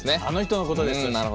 あの人のことです。